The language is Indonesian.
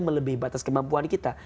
melebihi batas kemampuan kita